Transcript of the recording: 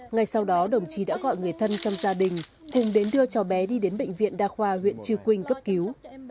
ngay sau đó đồng chí đã gọi người thân trong gia đình cùng đến đưa cháu bé đi đến bệnh viện đa khoa huyện chư quynh cấp cứu